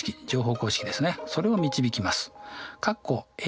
それを導きます。